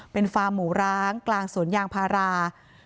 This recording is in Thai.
เป็นฟาร์มหมูร้างกลางสวนยางพารา